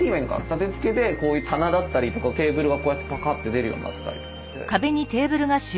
立てつけでこういう棚だったりとかテーブルがこうやってパカって出るようになってたりとかして。